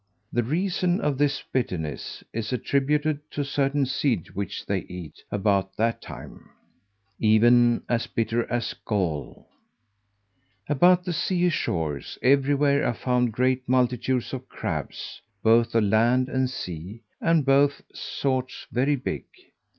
The reason of this bitterness is attributed to a certain seed which they eat about that time, even as bitter as gall. About the sea shores, everywhere, are found great multitudes of crabs, both of land and sea, and both sorts very big.